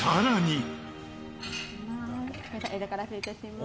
間から失礼いたします。